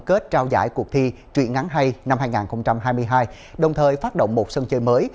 kết trao giải cuộc thi chuyện ngắn hay năm hai nghìn hai mươi hai đồng thời phát động một sân chơi mới